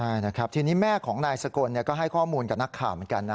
ใช่นะครับทีนี้แม่ของนายสกลก็ให้ข้อมูลกับนักข่าวเหมือนกันนะ